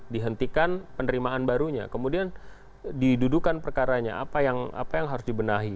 dihentikan penerimaan barunya kemudian didudukan perkaranya apa yang harus dibenahi